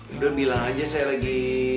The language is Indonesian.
udah bilang aja saya lagi